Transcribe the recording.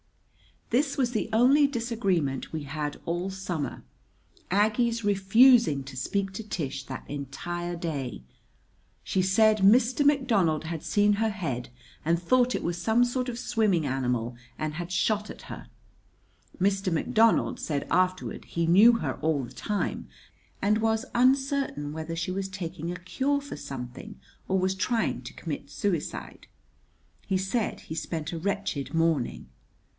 This was the only disagreement we had all summer: Aggie's refusing to speak to Tish that entire day. She said Mr. McDonald had seen her head and thought it was some sort of swimming animal, and had shot at her. Mr. McDonald said afterward he knew her all the time, and was uncertain whether she was taking a cure for something or was trying to commit suicide. He said he spent a wretched morning.